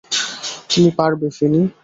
তুমি পারবে, ফিনি।